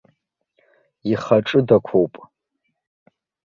Ихаҿыдақәоуп.